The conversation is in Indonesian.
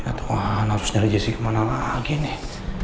ya tuhan harus nyari jesse kemana lagi nih